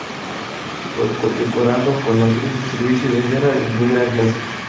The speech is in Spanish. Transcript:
Fue condecorado con la Cruz de Servicio de Guerra en su primera clase.